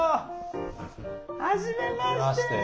はじめまして。